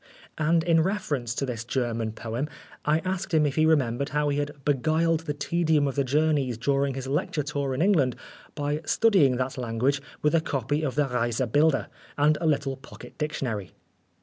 And in reference to this German poem, I asked him if he remembered how he had beguiled the tedium of the journeys during his lecturing tour in England, by studying that language with a copy of the Reise Bilder and a little pocket dictionary.